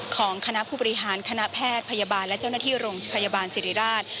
ของคณะผู้บริหารคณะแพทย์พยาบาลและเจ้าหน้าที่โรงพยาบาลสิริราช